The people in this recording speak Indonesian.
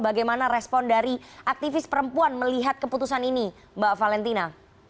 bagaimana respon dari aktivis perempuan melihat keputusan ini mbak valentina